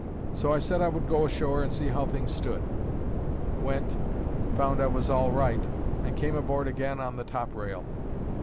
So I said I would go ashore and see how things stood; went, found I was all right, and came aboard again on the top rail.